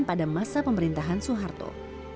pada masa pemerintahan soeharto